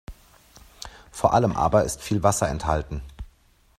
Vor allem aber ist viel Wasser enthalten.